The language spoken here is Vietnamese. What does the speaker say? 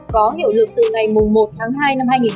có hiệu lực từ ngày một tháng hai năm hai nghìn hai mươi